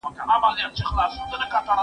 زه اوږده وخت کالي وچوم وم!